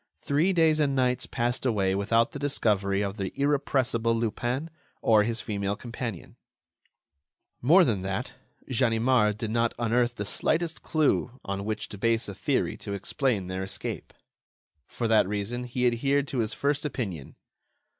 Three days and nights passed away without the discovery of the irrepressible Lupin or his female companion; more than that, Ganimard did not unearth the slightest clue on which to base a theory to explain their escape. For that reason, he adhered to his first opinion.